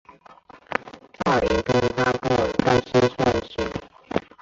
照影片发布更新顺序